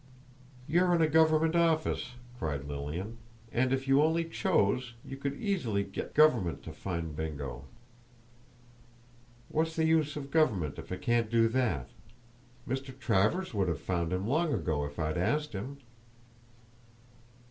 "You're in a government office," cried Lilian, "and if you only chose, you could easily g get g government to find Bingo! What's the use of government if it can't do that? Mr. Travers would have found him long ago if I'd asked him!"